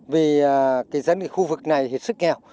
vì cái dân khu vực này hiệt sức nghèo